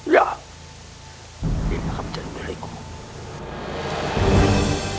bawakan bunga bidadari ke kota pakmusti